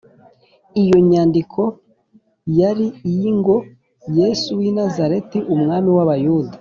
iyo nyandiko yari iyi ngo, “yesu w’i nazareti, umwami w’abayuda